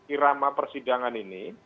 irama persidangan ini